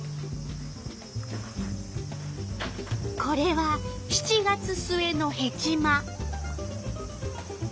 これは７月末のヘチマ。